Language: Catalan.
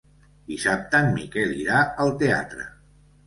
Dissabte en Miquel irà al teatre.